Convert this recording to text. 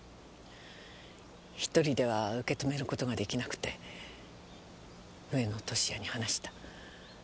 １人では受け止める事ができなくて上野俊哉に話した。